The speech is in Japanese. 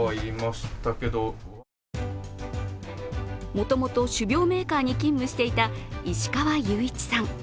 もともと種苗メーカーに勤務していた石川雄一さん。